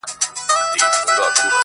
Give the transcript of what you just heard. هلک چیغه کړه پر مځکه باندي پلن سو!.